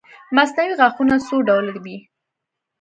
مصنوعي غاښونه څو ډوله وي